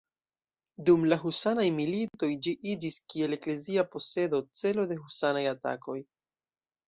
Dum la husanaj militoj ĝi iĝis kiel eklezia posedo celo de husanaj atakoj.